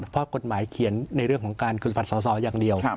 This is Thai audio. เพราะกฎหมายเขียนในเรื่องของการคืนผัดสอสออย่างเดียว